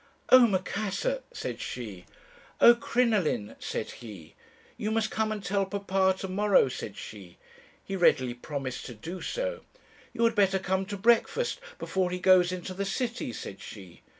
"'Oh, Macassar!' said she. "'Oh, Crinoline!' said he. "'You must come and tell papa to morrow,' said she. "He readily promised to do so. "'You had better come to breakfast; before he goes into the city,' said she.